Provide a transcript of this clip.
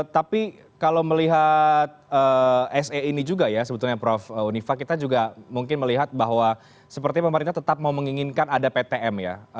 tapi kalau melihat se ini juga ya sebetulnya prof unifa kita juga mungkin melihat bahwa seperti pemerintah tetap mau menginginkan ada ptm ya